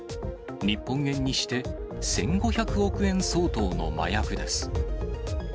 日本円にして１５００億円相当の麻薬です。